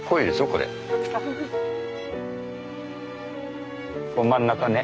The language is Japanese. これ真ん中ね。